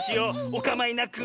おかまいなく。